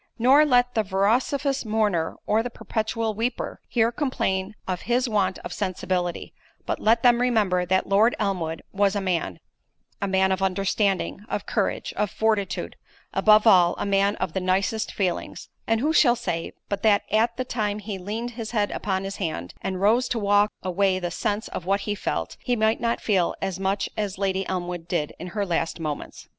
—Nor let the vociferous mourner, or the perpetual weeper, here complain of his want of sensibility—but let them remember that Lord Elmwood was a man—a man of understanding—of courage—of fortitude—above all, a man of the nicest feelings—and who shall say, but that at the time he leaned his head upon his hand, and rose to walk away the sense of what he felt, he might not feel as much as Lady Elmwood did in her last moments.